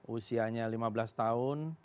usianya lima belas tahun